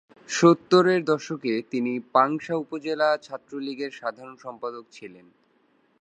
সত্তরের দশকে তিনি পাংশা উপজেলা ছাত্রলীগের সাধারণ সম্পাদক ছিলেন।